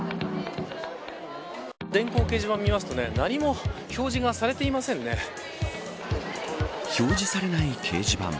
電光掲示板を見ますと何も表示がされない掲示板。